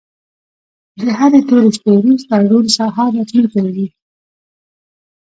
د هرې تورې شپې وروسته روڼ سهار راتلونکی وي.